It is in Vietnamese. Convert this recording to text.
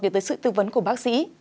được tới sự tư vấn của bác sĩ